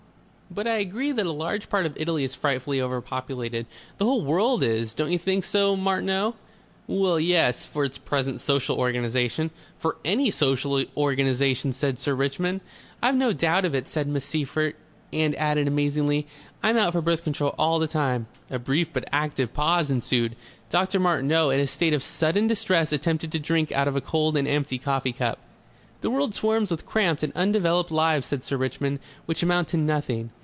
But I agree that a large part of Italy is frightfully overpopulated. The whole world is. Don't you think so, Martineau?" "Well yes for its present social organization." "For any social organization," said Sir Richmond. "I've no doubt of it," said Miss Seyffert, and added amazingly: "I'm out for Birth Control all the time." A brief but active pause ensued. Dr. Martineau in a state of sudden distress attempted to drink out of a cold and empty coffee cup. "The world swarms with cramped and undeveloped lives," said Sir Richmond. "Which amount to nothing.